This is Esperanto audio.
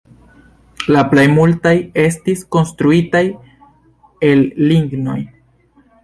La plej multaj estis konstruitaj el lignoj.